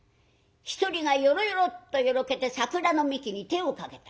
１人がよろよろっとよろけて桜の幹に手をかけた。